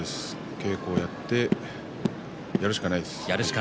稽古をやってやるしかないです。